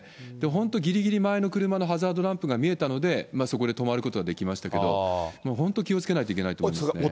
本当、ぎりぎり前の車のハザードランプが見えたので、そこで止まることができましたけど、本当気をつけないといけないと思いますね。